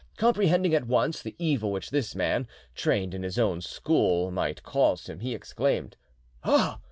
Comprehending at once the evil which this man,—trained in his own school, might cause him, he exclaimed, "Ah!